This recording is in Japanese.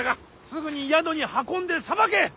すぐに宿に運んでさばけ！